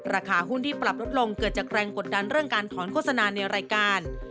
ราคาหุ้นที่ปรับลดลงเกิดจากแรงกดดันเรื่องการถอนโฆษณาในรายการ